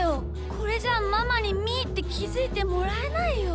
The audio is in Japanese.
これじゃママにみーってきづいてもらえないよ。